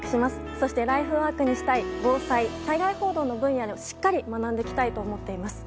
そして、ライフワークにしたい防災・災害報道の分野をしっかり学んでいきたいと思っています。